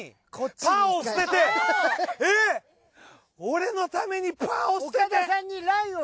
えっ俺のためにパーを捨てて！？